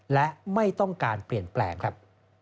และไม่ต้องการเปลี่ยนแปลงครับ